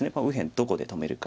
どこで止めるか。